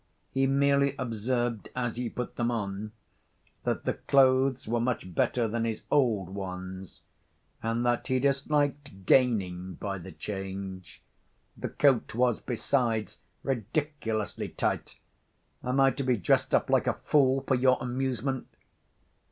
He merely observed, as he put them on, that the clothes were much better than his old ones, and that he disliked "gaining by the change." The coat was, besides, "ridiculously tight. Am I to be dressed up like a fool ... for your amusement?"